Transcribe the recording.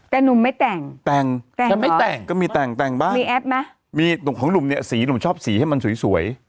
แต่หนุ่มไม่แต่งแต่งแต่งจะไม่แต่งก็มีแต่งแต่งบ้างมีแอปไหมมีหนุ่มของหนุ่มเนี่ยสีหนุ่มชอบสีให้มันสวยสวย